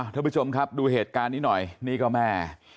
ท่านผู้ชมครับดูเหตุการณ์นี้หน่อยนี่ก็แม่